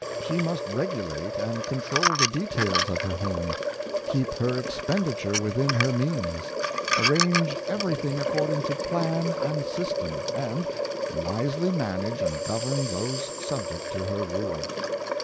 She must regulate and control the details of her home, keep her expenditure within her means, arrange everything ac cording to plan and system, and wisely manage and govern those subject to her rule.